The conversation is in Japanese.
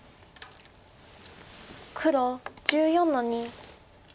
黒１４の二。